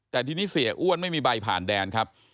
แต่ทีนี้เสียอ้วนไม่มีใบผ่านแดนครับ